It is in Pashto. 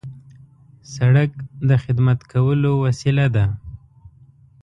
سړک د خدمت کولو وسیله ده.